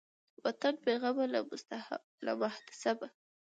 وطن بېغمه له محتسبه